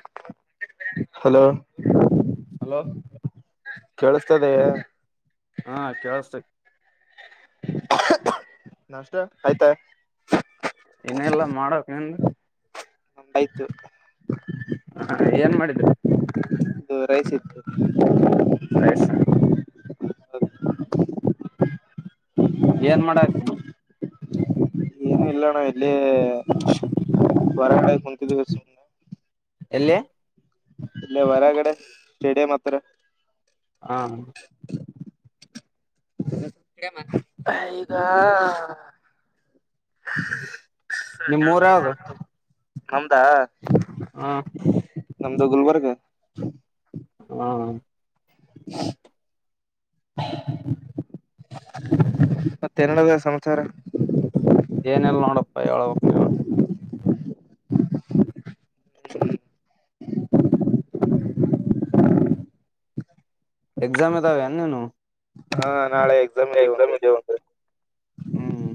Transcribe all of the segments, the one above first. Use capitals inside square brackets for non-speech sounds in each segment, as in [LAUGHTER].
[INAUDIBLE] Hello hello ಕೇಳಸ್ತದ ಹಾ ಕೇಳಸ್ತ ನಷ್ಟ ಆಯ್ತಾ ಏನಲ್ಲಾ ಮಾಡಕ್ ನಿನ್ ಉಟಾಯ್ತು ಏನ್ ಮಾಡಿದ್ರಿ ದೂರೈಸತ್ತು ರೈಸ ಏನ್ ಮಾಡಕ ಏನು ಇಲ್ಲಣ ಇಲ್ಲಿ ಹೊರಟ ಕುಂತಿದೀವಿ ಸುಮಮ್ಮನೆ ಎಲ್ಲಿ [INAUDIBLE] ಇಲ್ಲ ಹೊರಗಡೆ ಸ್ಟೇಡಿಯಂ್ ಹತ್ರ ಹ ಗ [UNINTELLIGIBLE] ಸ ನಿಮ್ ಜಾಕ ಊರ ಯಾವ್ದು ಮಾಡ ನಮ್ದಾ ಹಾ ನಮ್ದು ಗುಲ್ಬರ್ಗ ಹ್ಮ [INAUDIBLE] [INAUDIBLE] ಮತ್ತೆನ್ನಡದ ಸಮಾಚಾರ ಏನೆಲ್ಲ ನೋಡಪ್ಪಾ ಹೇಳಳ್ಬಕ್ ನೀವು ಎಕ್ಸಾಮ್ ಅದವೇನು ನಿನವು ಹಾ ನಾಳೆ ಎಕ್ಸಾಮ್ ಇದ್ದೇವೆ ಅಂದ್ರೆ ಹ್ಮ್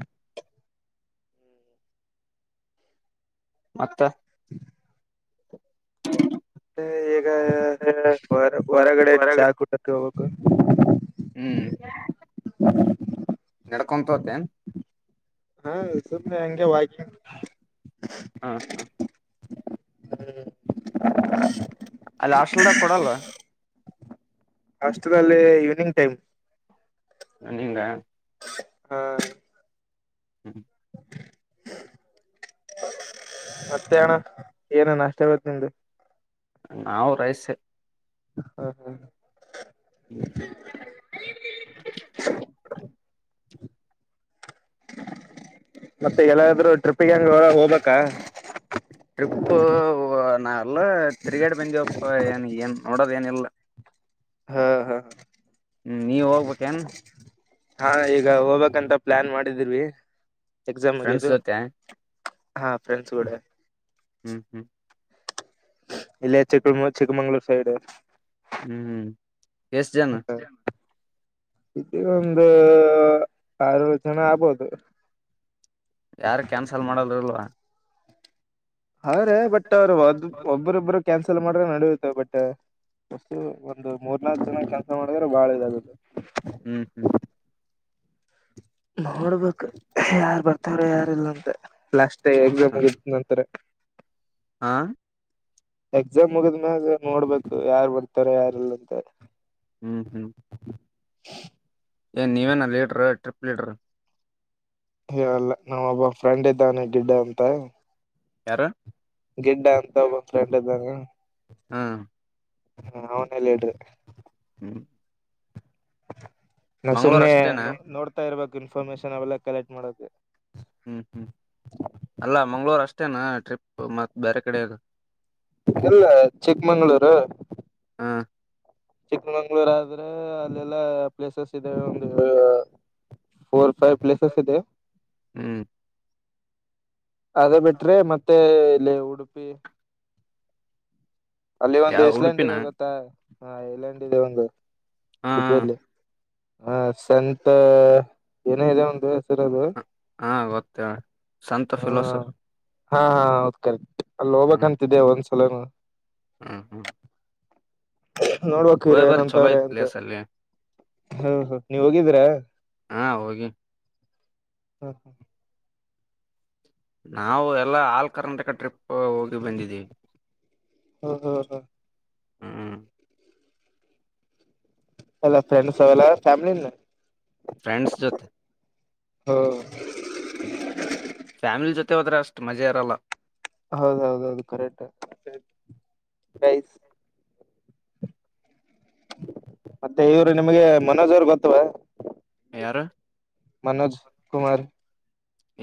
ಮತ್ತ ಮತ್ತ ಈಗ ಹೊರ ಹೊರಗಡೆ ಹೊರಗ ಚಾ ಕುಡ್ಲೆಕ್ಕೆ ಹೋಗ್ಬೇಕು ಹ್ಮ್ [INAUDIBLE] ನಡ್ಕೊಂತ ಹೊತ್ತೇನ್ ಹಾ ಸುಮ್ಮನೆ ಹಂಗೆ ವಾಕಿಂಗ್ ಹ್ಮ ಹಾ ಅಲ್ಲಿ ಆಷ್ಟಲ್ದಾಗ ಕೊಡಲ್ವಾ ಅಷ್ಟಲ್ಲಿ ಈವ್ನಿಂಗ್ ಟೈಮ್ ನನ್ನಂಗ ಹಾ ಮತ್ತೆ ಅಣ್ಣ ಏನನ್ ಅಷ್ಟ ಬತ್ತ ನಿಮ್ದು ನಾವು ರೈಸ್ ಹಾ ಹ್ಮ ಹ್ಮ ಮತ್ತೆ ಎಲ್ಲಾದ್ರರು ಟ್ರಿಪ್ಪಿಗೆ ಹಂಗ ಹೋಗ್ಬೇಕಾ ಟ್ರಿಪ್ಪ ನಾ ಎಲ್ಲ ತಿರುಗೇಡೆ ಬಂದಿವಿಪ್ಪ ಏನ್ ಏನ್ ನೋಡೋದ ಏನಿಲ್ಲ ಹಾ ಹಾ ಹ್ಮ್ ನೀವ್ ಹೋಗ್ಬೇಕೇನ್ ಹಾ ಈಗ ಹೋಗ್ಬೇಕ್ಂತ ಪ್ಲಾನ್ ಮಾಡಿ ವಿ ಎಕ್ಸಾಮ್ ಫ್ರೆಂಡ್ಸ್ ಮಗೆದು ಜೊತೆ ಫ್ರೆಂಡ್ಸ್ ಗುಡೆ ಹ್ಮ್ ಹ್ಮ್ ಇಲ್ಲೇ, ಚಿಕ್ಕ ಚಿಕ್ಕಮಂಗ್ಳೂರ್ ಸೈಡ್. [UNINTELLIGIBLE] ಹ್ಮ್, ಹ್ಮ್, ಎಸ್ಟು, ಜನ. [INAUDIBLE] ಇದ್ರೂ ಒಂದು ಅರವತ್ತು, ಜನ ಆಗಬಹುದು. [UNINTELLIGIBLE] ಯಾರು, ಕ್ಯಾನ್ಸಲ್, ಮಾಡಲ್ಲ ಅಲ್ವಾ? [UNINTELLIGIBLE] ಅವರೇ, ಬಟ್ ಅವ್ರರು ಒಬ್ಬ, ಒಬ್ಬರಿದ್ದರು ಕ್ಯಾನ್ಸಲ್, ಮಾಡ್ರೆ ನಡೆಯುತ್ತೆ ಬಟ್. [UNINTELLIGIBLE] ಮೋಸ್ಟ್ಲಿ ಒಂದು ಮೂರು ನಾಲ್ಕು ಜನ ಕೆಲಸ ಮಾಡಿದ್ರೆ ಬಹಳ ಇದಾಗುತ್ತೆ. [UNINTELLIGIBLE] ಹ್ಮ್, ಹ್ಮ್. [INAUDIBLE] ನೋಡ್ಬೇಕು, ಯಾರ್, ಬರುತ್ತಾರೆ, ಯಾರಿಲ್ಲ ಅಂತ ಲಾಸ್ಟ್. [UNINTELLIGIBLE] ಮತ್ತೆ ಹೇಳಬೇಕು ಅಂತ ಇದು ಮಾಡ್ತಾರೆ. [UNINTELLIGIBLE] ಹಾ. [INAUDIBLE] ಎಕ್ಸಾಮ್ ಮುಖದ ಮೇಲೆ ನೋಡಬೇಕು ಯಾರು ಬರ್ತಾರೆ ಇಲ್ಲ ಅಂತ? [UNINTELLIGIBLE] ಹ್ಮ್, ಹ್ಮ್. [INAUDIBLE] [INAUDIBLE] [UNINTELLIGIBLE] ಏನ್, ನೀವೇನ, ಲೀಡರ್, ಟ್ರಿಪ್ ಲೀಡರ್! [INAUDIBLE] ಇಲ್ಲ, ನಾವೊಬ್ಬ ಫ್ರೆಂಡ್ ಇದ್ದಾನೆ ಗಿಡ್ಡ ಅಂತ! [INAUDIBLE] ಯಾರು? [INAUDIBLE] ಗಿಡ್ಡ ಅಂತ ಒಬ್ಬ ಫ್ರೆಂಡ್ ಇದ್ದಾನೆ. [UNINTELLIGIBLE] ಹ್ಮ್ ಹಾ, ಅವನೇ, ಲೀಡರ್. [UNINTELLIGIBLE] ಹ್ಮ್. [UNINTELLIGIBLE] ನಾವು ಮಂಗ್ಳೂರ್ ಸುಮ್ನೆ ಅಷ್ಟೇನಾ ನೋಡ್ತಾ ಇರ್ಬೇಕು ಇನ್ಫಾರ್ಮೇಶನ್, ಅವೆಲ್ಲಾ ಕಲೆಕ್ಟ್ ಮಾಡಬೇಕು. [UNINTELLIGIBLE] ಹ್ಮ್, ಹ್ಮ್, ಅಲ್ಲ ಮಂಗಳೂರು, ಅಷ್ಟೇನಾ ಟ್ರಿಪ್ ಮತ್, ಬೇರೆ ಕಡೆ ಹೇಳು? [INAUDIBLE] ಇಲ್ಲ, ಚಿಕ್ಕಮಂಗಳೂರು. [UNINTELLIGIBLE] ಹಾ. [INAUDIBLE] ಚಿಕ್ಕಮಂಗ್ಳೂರ್, ಆದ್ರೆ ಅಲ್ಲೆಲ್ಲಾ! ಪ್ಲೇಸಸ್ ಇದೆ ಒಂದು, ಫೋರ್. [UNINTELLIGIBLE] ಫೈವ್, ಪ್ಲಸಸ್, ಇದೆ. [UNINTELLIGIBLE] ಹ್ಮ್ ಅದೇ, ಬಿಟ್ರೆ ಮತ್ತೆ, ಇಲ್ಲಿ ಉಡುಪಿ. [INAUDIBLE] ಅಲ್ಲಿ, ಒಂದು ಯಾವ ಇಸ್ಲೆಂಡ್ ಉಡುಪಿನ ಇದೆ ಗೊತ್ತಾ? ಹ ಯಲ್ಲಂಡಿ, ಇದೆ ಒಂದು ಹಾ ಉಡುಪಿಯಲ್ಲಿ. [INAUDIBLE] ಹ, ಸೆಂಟು, ಏನೋ, ಇದೆ ಒಂದು ಹೆಸರದು? [UNINTELLIGIBLE] ಹಾ, ಗೊತ್ತು. [INAUDIBLE] ಹ್ಮ, ಹಾ, ಹೌ ಕಾರ್ಟ್, ಅಲ್ಲಿ ಹೋಗ್ಕ್ಂತಿದ್ದೆ ಒಂದ್ಸಲನು. [UNINTELLIGIBLE] ಹು, ಹು. [INAUDIBLE] ನೋಡ್ಬೇಕು, ಇರು, ಚಲೋ ಏನಂತವ್ರೆ ಐತ್ ಅಂತ? ಪ್ಲೇಸ್ ಅಲ್ಲಿ [INAUDIBLE] ಓಹೋ, ನೀವು, ಹೋಗಿದಿರ? [INAUDIBLE] ಹಾ ಹೋಗಿ ಹು, ಹ. [INAUDIBLE] ನಾವು, ಎಲ್ಲಾ, ಹಲ್, ಕರ್ನಾಟಕ ಟ್ರಿಪ್. [INAUDIBLE] ಒಹ್,, ಹೋಗಿ ಬಂದಿದ್ದೀ. ಹ್ಮ್ ಹ್ಮ್ [INAUDIBLE] ಅಲ್ಲ ಫ್ರೆಂಡ್ಸ್ ಅವರ ಫ್ಯಾಮಿಲಿನಾ. [INAUDIBLE] ಫ್ರೆಂಡ್ಸ್, ಜೊತೆ. [INAUDIBLE] ಒಹ್. [UNINTELLIGIBLE] ಹ್ಮ್ ಫ್ಯಾಮಿಲಿ ಜೊತೆ ಹೋದ್ರೆ! ಅಷ್ಟ್ ಮಜ ಇರಲ್ಲ. [INAUDIBLE] ಹೌದೌದೌದು, ಕರೆಕ್ಟ್ಸ್, ಗೈಸ್.. [UNINTELLIGIBLE] ಮತ್ತೆ, ಇವರು ನಿಮ್ಗೆ ಮನೋಜ್ ಅವರು ಗೊತ್ತ? ಯಾರು [INAUDIBLE] ಮನೋಜು, ಕುಮಾರ್. [INAUDIBLE]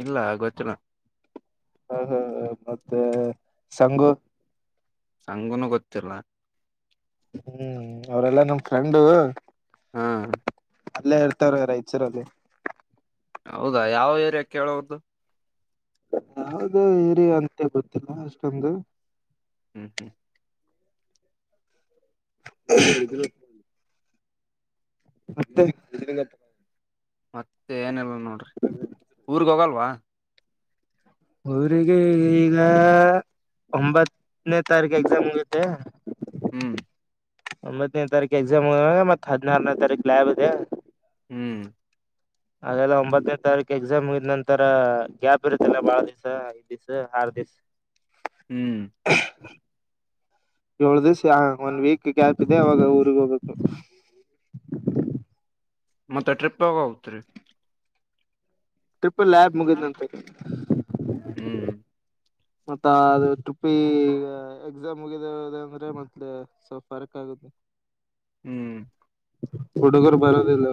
ಇಲ್ಲ, ಗೊತ್ತಿಲ್ಲ? [INAUDIBLE] ಹೂ, ಹೂ, ಮತ್ತೆ ಸಂಗು? [INAUDIBLE] ಸಂಗುನು, ಗೊತ್ತಿಲ್ಲ? [INAUDIBLE] ಹ್ಮ್, ಹ್ಮ್ಮ್, ಅವರೆಲ್ಲ, ನಮ ಫ್ರೆಂಡು. [INAUDIBLE] ಹಾ. [INAUDIBLE] ಅಲ್ಲೇ ಇರುತ್ತಾರೆ, ರೈಚೂರಲ್ಲಿ. [INAUDIBLE] ಹೌದಾ, ಯಾವ ಏರಿಯಾ, ಕೇಳು ಅವರದು. [INAUDIBLE] ಯಾವ್ದ ಹೀರಿ ಅಂತ ಗೊತ್ತಿಲ್ಲ ಅಷ್ಟೊಂದು ಹ್ಮ್ ಹ್ಮ್ ಇ [UNINTELLIGIBLE] ಮತ್ತೆ ಮತ್ತೆ ಏನಲ್ ನೋಡ್ರಿ ಊರ್ಗ್ ಹೋಗಲ್ವಾ ಅವರಿಗೆ ಈಗ ಒಂಬತ್ತನೇ ತಾರೀಕು ಎಕ್ಸಾಮ್ ಮುಗಿಯುತ್ತೆ ಹ್ಮ್ ಒಂಬತ್ತನೇ ತಾರೀಕು ಎಕ್ಸಾಮ್ ಹಾಗ ಮತ್ತತ್ ಹದಿನಾರನ ತಾರೀಕ ಲ್ಾಬ್ ಇದೆ ಹ್ಮ್ ಹಾಗೆಲ್ಲ ಒಂಬತ್ತನೇದು ತಾರೀಕು ಎಕ್ಸಾಮ್ ಇದಿದ ನಂತರ ಗ್ಯಾಪ್ ಇರುತ್ತಲ್ಲ ಬಾಳ ದಿವ್ಸ ಐದ್ ದಿವ್ ಆರ್ ದಿಸ ಹ್ಮ್ ಏಳು ದಿವಸ ಯ ಒಂದ್ ವೀಕ್ ಗ್ಯಾಪ್ ಇದೆ ಅವಾಗ ಊರ್ಗ್ ಹೋಗ್ಬೇಕು ಮತ್ತೆ ಟ್ರಿಪ್ಾಗ ಹೋಗತ್ರಿ ಟ್ರಿಪಲ್ ಲಬ್ ಮುಗು ಹ್ಮ್ ಮತ್ತ ಅದು ಟುಪ್ಪಿ ಎಕ್ಸಾಮ್ ಮುಗಿದ ಅಂದ್ರೆ ಮತ್ ಸ್ವಲ್ ಫರ್ಕ್ ಆಗುತ್ತೆ ಹ್ಮ್ ಹುಡುಗರು ಬರದಿಲ್ಲ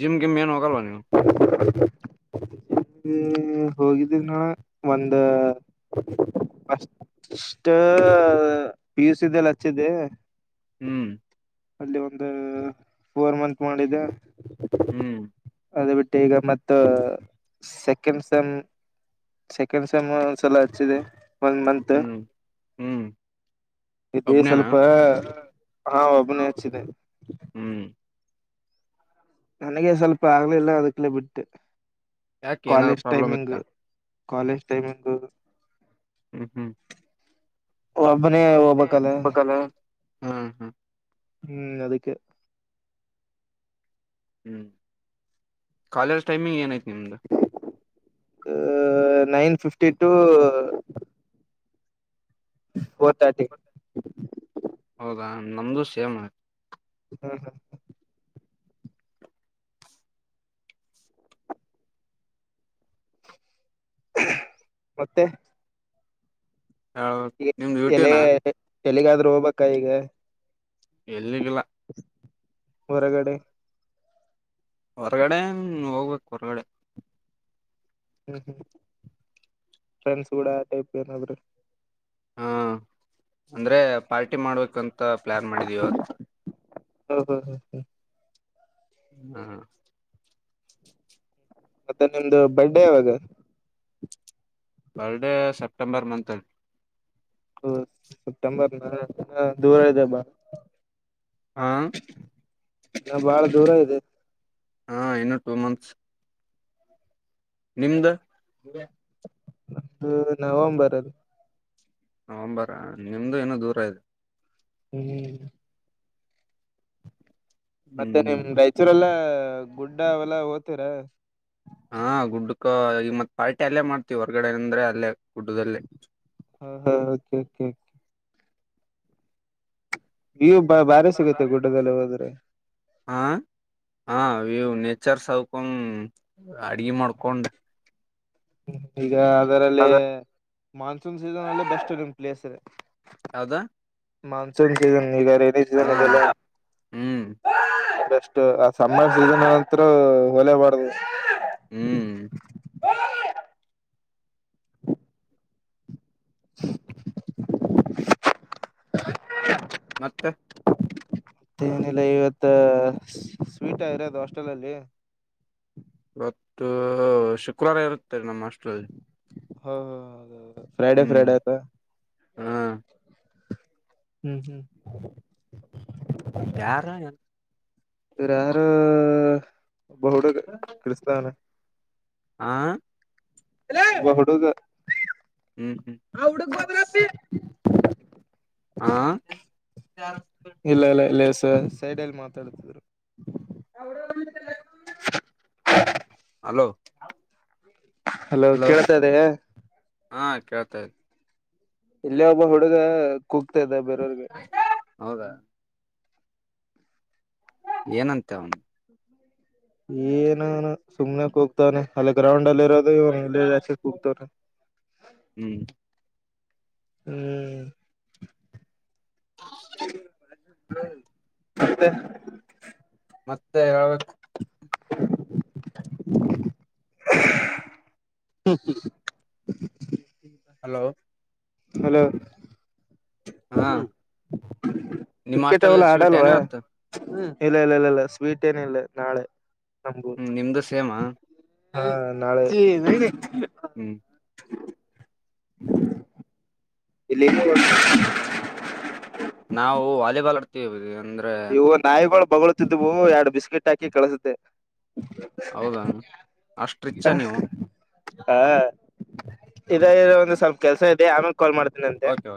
ಜಿಮ ಗಿಮ್ ಏನು ಹೊಗಲ್ ನೀವು ಇ ಹೋಗಿದ್ದ ನಾಒಂದ ಅ ಪೀಸ್ ಇದೆಲ್ಲ ಹಚ್ಚಿದೆ ಹ್ಮ್ ಅಲ್ಲಿ ಒಂದು ಫೋರ್ ಮಂತ್ ಮಾಡಿದ್ದ ಹ್ಮ್ ಈಗ ಮ ಸೆಕೆಂಡ್ ಸೇಮ್ ಸೆಕೆಂಡ್ ಸಮ್ ಒಂದ್ಸಲ ಹಚ್ಚಿದೆ ಹ್ಮ್ ಹ್ಮ್ ಇದೆ ಒಬ್ನೇನಾ ಸ್ವಲ್ಪ ಹಾ ಒಬನೇ ಹಚ್ಚಿದೆ ಹ್ಮ್ ನನಗೆ ಸ್ವಲ್ಪ ಆಗ್ಲ ಇಲ್ಲ ಅದಕ್ಕಲೇ ಬಿಟ್ಟು ಯಾಕೆ ಏನಾದ್ರು ಕಾಲೇಜ್ ಪ್ರಾಬ್ಲಮ್ ಟೈಮಿಂಗ್ ಇತ್ತ ಕಾಲೇಜ್ ಟೈಮಿಂಗ್ ಹ್ಮ್ ಹ್ಮ್ ಒಬ್ಬನೇ ಹೋಗಬೇಕಲ್ಲ ಹ್ಮ್ ಹ್ಮ್ ಅದಕ್ಕೆ ಹ್ಮ್ ಕಾಲೇಜ್ ಟೈಮಿಂಗ್ ಏನಐತಿ ನಿಮ್ದ nine fifty to four thirty ಹೌದಾ ನಮ್ದು ಸೇಮ್ ಹ್ಮ್ ಹ್ಮ್ ಹಾ [INAUDIBLE] ಮತ್ತೆ ಹ ನಿಮ್ದ ಡ್ಯೂಟನಾ ಯಲಿಗಾದ್ರೂ ಹೋಗ್ಬಕ್ಕ ಈಗ ಎಲ್ಲಿಗಿಲ್ಲ ಹೊರಗಡೆ ಹೊರಗಡೆ ಹೋಗ್ಬೇಕು ಹೊರ್ಗಡೆ ಹ್ಮ್ ಹ್ಮ್ ಫ್ರೆಂಡ್ಸ್ ಕೂಡ ಆ ಟೈಪ್ ಏನಾದ್ರೆ ಹಾ ಅಂದ್ರೆ ಪಾರ್ಟಿ ಮಾಡ್ಬೇಕಂತ ಪ್ಲಾನ್ ಮಾಡಿದೀವಿ ಇವತ್ತು ಹ ಹ ಹ ಹ್ಮ ಹಾ ಮತ್ತೆ ನಿಮ್ದು ಬಡ್ಡೇ ಯಾವಾಗ ಬರ್ಡೇ ಸೆಪ್ಟೆಂಬರ್ ಮಂತಲ್ಲಿ ಹ ಸೆಪ್ಟೆಂಬರ್ ನ ದೂರ ಇದೆ ಬಾ ಹ ನಾ ಬಾಳ ದೂರ ಇದೆ ಹಾ ಇನ್ನು ಟೂ ಮಂತ್ಸ್ ನಿಮ್ದ ಹಾ ನಂದು ನವೆಂಬರ್ ಅಲ್ಲಿ ನವಂಬರ ನಿಮ್ದು ಇನ್ನ ದೂರ ಇದೆ ಹ್ಮ್ ಮತ್ತೆ ಹ್ಮ್ ನಿಮ್ ರಾಯಚೂರೆಲ್ಲ ಗುಡ್ಡ ಅವೆಲ್ಲ ಹೋತರ ಹಾ ಗುಡ್ಡಕ್ಕ ಈಗ ಮತ್ ಪಾರ್ಟಿ ಅಲ್ಲೇ ಮಾಡ್ತೀವಿ ಹೊರ್ಗಡೆ ಅಂದ್ರೆ ಅಲ್ಲೇ ಗುಡ್ಡದಲ್ಲೇ ಹಾ ಹಾ ಓಕೆ ಓಕೆ ಓಕೆ ನೀವು ಬ ಬಾರಿ ಸಿಗುತ್ತೆ ಗುಡ್ಡದಲ್ಲಿ ಹೋದ್ರೆ ಆ ಹಾ ಇವು ನೇಚರ್ ಸಾವಿಕೊಂಡ್ ಅಡ್ಗೆ ಮಾಡ್ಕೊಂಡ್ ಹ್ಮ ಈಗ ಅದರಲ್ಲಿ ಮಾನ್ಸೂನ್ ಸೀಸನ್ ಅಲ್ಲ ಬೆಸ್ಟ್ ನಿಮ್ ಪ್ಲೇಸ್ ಯಾವ್ದ ಮಾನ್ಸೂನ್ ಸೀಸನ್ ಈಗ ರೈನಿ ಸೀಸನ್ ಹಾ ಹ್ಮ್ ಆ ಸಮ್ಮರ್ ಸೀಸನ್ ಅಲ್ಲಂತೂ ಹೊಳೆ ಬರ್ದು ಹ್ಮ್ [INAUDIBLE] ಮತ್ತೆ ಮತ್ತೆ ಏನಿಲ್ಲ ಇವತ್ತ ಸ್ವೀಟ್ ಇರದು ಹಾಸ್ಟೆಲ್ಲ್ಲಿ ಇವತ್ತು ಶುಕ್ರವಾರ ಇರುತ್ತಾರೆ ನಮ್ಮ ಹಾಸ್ಟೆಲಲ್ಲಿ ಹ ಹ ಫ್ರೈಡೆ ಫ್ರೈಡೆ ಅತ ಹ್ಮ್ ಹ್ಮ್ ಹ್ಮ್ ಯಾರ ಇವ್ರ ಯಾರು ಬಹಡು ಕ್ರಿಸ್ತವನ ಆ ಲೇ ಒಬ್ಬ ಹುಡುಗ ಹ್ಮ್ ಹ್ಮ್ ಹಾ ಇಲ್ಲಲ್ಲ ಇಲ್ಲಸ ಸೈಡಲ್ಲಿ ಮಾತಾಡ್ತಿದ್ರು ಹಲೋ ಹಲೋ ಕೇಳ್ತಾ್ದ ಹಾ ಕೇಳ್ತಾ ಇದ ಇಲ್ಲಿೇ ಒಬ್ಬ ಹುಡುಗ ಕೂಗ್ತಾ ಇದೆ ಬ ಹೌದಾ ಏನಂತ ಅವನು ಏನ ಸುಮ್ನೆ ಹೋಗ್ತಾ ಅವ್ನೆ ಗ್ರಾೌಂಡಲಿ ಇರದು ಆಚೆ ಕೊಗ್ತಾವ್ರೆ ಹ್ಮ್ ಹ್ಮ್ ಹ ಹ ಮತ್ತೆ ಮತ್ತೆ ಹೇಳಬೇಕು ಹ್ಮ್ ಹ್ಮ್ ಹಲೋ ಹಲೋ ಹಾ ನಿಮ್ಮ್ ಕ್ರಿಕೆಟ್ ಹಾಸ್ಟೆಲ್ ಅವವೆಲ್ಲ ಅಲ್ಲಿ ಸ್ವೀಟ್ ಏನ ಆಡಲ್ವಾ ಇವತ್ತು ಇಲ್ಲ ಇಲ್ಲ ಇಲ್ಲ ಇಲ್ಲ ಸ್ವೀಟ್ ಏನ ಇಲ್ಲ ನಾಳೆ ನಮ್ಗೂ ಹ್ಮ ನಿಮ್ದು ಸೇಮಾ ಹಾ ನಾಳೆ ಹ್ಮ್ ಇಲ್ಲಿ ಇಲ್ಲ ನಾವು ವಾಲಿಬಾಲ್ ಆಡ್ತೀವಿ ಅಂದ್ರೆ ಇವು ನಾಯಿಗಳು ಬೊಗಳುತಿದ್ವು ಎರಡು ಬಿಸ್ಕೆಟ್ ಹಾಕಿ ಕಳಸುತ್ತೆ ಹೌದಾ ಅಷ್ಟ್ ರಿಚ್ ಅ ನೀವು ಹಾ ಇದ ಓಕೆ ಒಂದು ಸ್ವಲ್ಪ ಕೆಲ್ಸ ಇದೆ ಆಮೇಲೆ ಕಾಲ್ ಮಾಡ್ತೀನಿ ಅಂತೆ ಓಕೆ